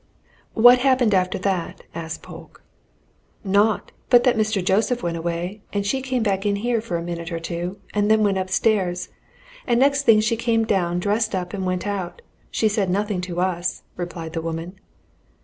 "What happened after that?" asked Polke. "Naught! but that Mr. Joseph went away, and she came back in here for a minute or two and then went upstairs. And next thing she came down dressed up and went out. She said nothing to us," replied the woman.